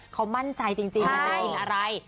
เขามั่นใจจริงว่าจะกินอะไร